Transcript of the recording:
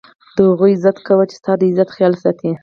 د هغو عزت کوه، چي ستا دعزت خیال ساتي.